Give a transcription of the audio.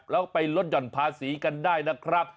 แล้วไปลดหย่อนภาษีกันได้นะครับ